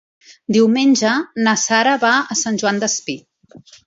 Diumenge na Sara va a Sant Joan Despí.